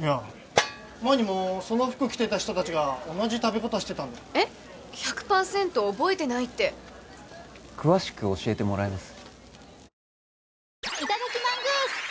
いや前にもその服着てた人達が同じ食べ方してたんでえっ１００パーセント覚えてないって詳しく教えてもらえます？